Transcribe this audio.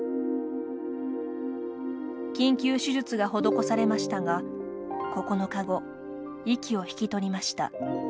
緊急手術が施されましたが９日後、息を引き取りました。